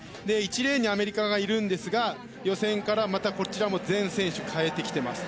１レーンにアメリカがいるんですが予選からこちらも全選手、代えてきています。